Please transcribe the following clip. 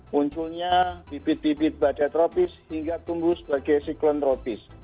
munculnya bibit bibit badai tropis hingga tumbuh sebagai psikotropis